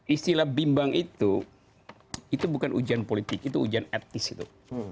istilah bimbang itu itu bukan ujian politik itu ujian etis itu